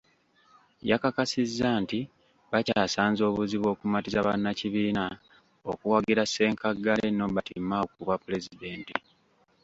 Yakakasizza nti bakyasanze obuzibu okumatiza bannakibiina okuwagira ssenkaggale Nobert Mao ku bwapulezidenti.